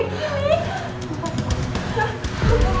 elsa kamu di dalam